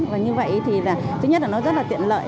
và như vậy thì là thứ nhất là nó rất là tiện lợi